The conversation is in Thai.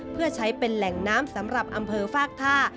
เพื่อใช้เป็นแหล่งน้ำสำหรับอำเภอฟากท่า